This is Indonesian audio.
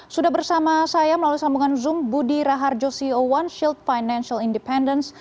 sudah bersama saya melalui sambungan zoom budi raharjo ceo one shield financial independence